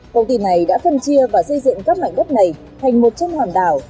công ty này đã phân chia và xây dựng các mảnh đất này thành một chân hòn đảo